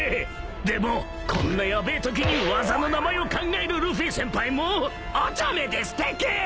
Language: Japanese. ［でもこんなヤベえときに技の名前を考えるルフィ先輩もおちゃめですてき！］